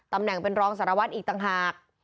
ตำแหน่งเป็นรองสารวัตรอีกต่างหาก